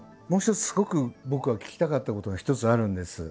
すごく僕が聞きたかったことが一つあるんです。